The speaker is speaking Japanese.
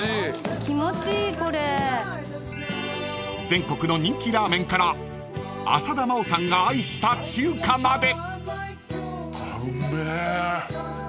［全国の人気ラーメンから浅田真央さんが愛した中華まで］